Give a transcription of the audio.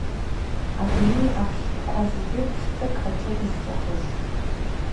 Адунеи аԥштәқәа зегьы ԥштәык аҿы изҵәахыз.